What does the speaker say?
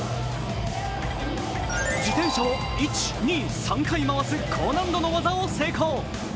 自転車を３回回す高難度の技を成功。